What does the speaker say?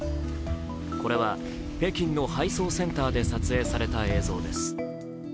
これは北京の配送センターで撮影された映像です。